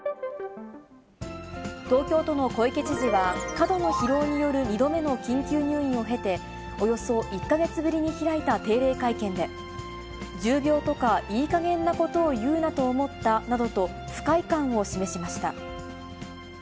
東京都の小池知事は、過度の疲労による２度目の緊急入院を経て、およそ１か月ぶりに開いた定例会見で、重病とか、いいかげんなことを言うなと思ったなどと、不快感を示しました。